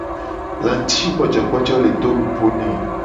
Lacigbojogbojo le do nupo ne.